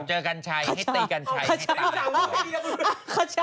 เจอกันใช่ให้ดีกันใช่